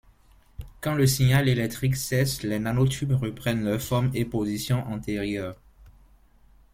Quand le signal électrique cesse, les nanotubes reprennent leur forme et position antérieures.